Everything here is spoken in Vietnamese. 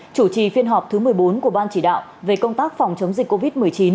chủ trì phiên họp thứ một mươi bốn của ban chỉ đạo về công tác phòng chống dịch covid một mươi chín